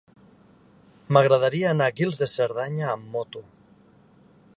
M'agradaria anar a Guils de Cerdanya amb moto.